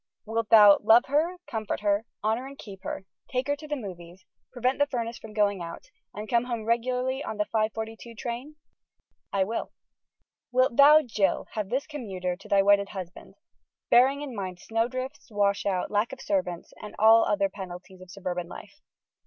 Wilt thou love her, comfort her, honor and keep her, take her to the movies, prevent the furnace from going out, and come home regularly on the 5:42 train?" "I will." "Wilt thou, Jill, have this commuter to thy wedded husband, bearing in mind snowdrifts, washouts, lack of servants and all other penalties of suburban life?